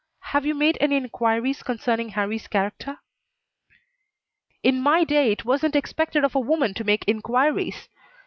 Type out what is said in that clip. Had you made any inquiries concerning Harrie's character?" "In my day it wasn't expected of a woman to make inquiries."